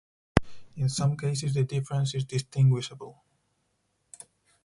In some cases the difference is distinguishable.